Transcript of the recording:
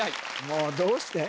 もうどうして？